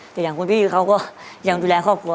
แต่อย่างคุณพี่เขาก็ยังดูแลครอบครัว